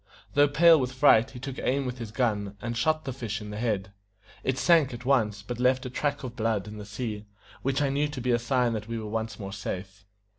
Though pale with fright, he took aim with his gun, and shot the fish in the head. It sank at once, but left a track of blood in the sea, which I knew to be a sign that we were once more safe.